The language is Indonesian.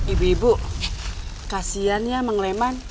ibu ibu kasian ya mengeleman